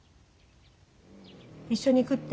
一緒に行くって？